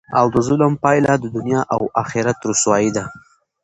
او دظلم پایله د دنیا او اخرت رسوايي ده،